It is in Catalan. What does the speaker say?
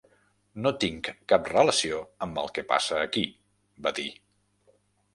"No tinc cap relació amb el que passa aquí", va dir.